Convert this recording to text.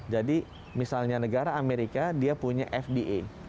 misalnya negara amerika dia punya fda